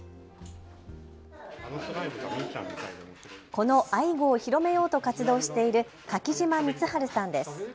このアイゴを広めようと活動している柿島光晴さんです。